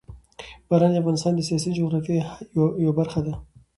باران د افغانستان د سیاسي جغرافیه یوه برخه ده.